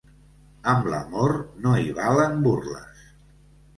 Amb l'amor no hi valen burles.